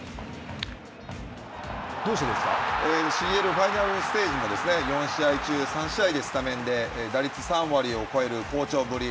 ファイナルステージも、４試合中、３試合でスタメンで、打率３割を超える好調ぶり。